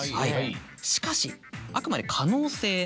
しかしあくまで可能性。